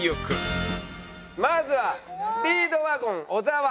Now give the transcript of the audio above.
まずはスピードワゴン小沢。